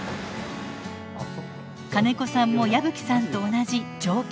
金子さんも矢吹さんと同じ上京組。